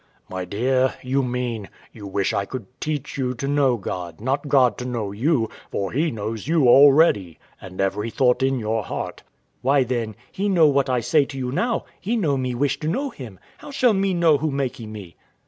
] W.A. My dear, you mean, you wish I could teach you to know God, not God to know you; for He knows you already, and every thought in your heart. Wife. Why, then, He know what I say to you now: He know me wish to know Him. How shall me know who makee me?